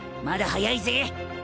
まだ早いぜ。